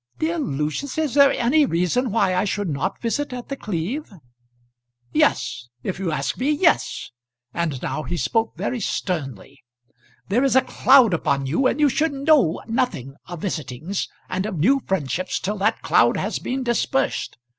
"Dear Lucius, is there any reason why I should not visit at The Cleeve?" "Yes; if you ask me yes;" and now he spoke very sternly. "There is a cloud upon you, and you should know nothing of visitings and of new friendships till that cloud has been dispersed.